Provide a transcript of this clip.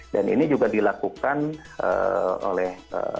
dan ini juga dilakukan oleh